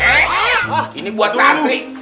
eh ini buat santri